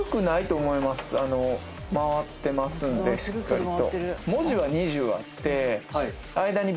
回ってますんでしっかりと。